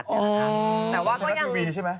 อ๋อแต่ว่าก็ยังไทยรัฐทีวีใช่ไหม